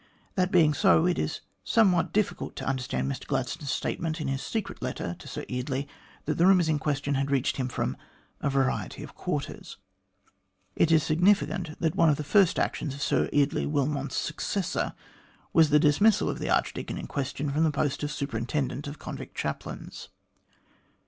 That being so, it is some what difficult to understand Mr Gladstone's statement, in his secret letter to Sir Eardley, that the rumours in question had reached him from " a variety of quarters." It is signi ficant that one of the first actions of Sir Eardley Wilmot's successor was the dismissal of the archdeacon in question from the post of Superintendent of Convict Chaplains.